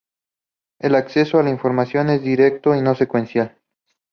El acceso a la información es directo y no secuencial.